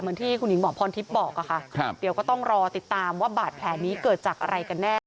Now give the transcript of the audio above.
เหมือนที่คุณหญิงหมอพรทิพย์บอกค่ะเดี๋ยวก็ต้องรอติดตามว่าบาดแผลนี้เกิดจากอะไรกันแน่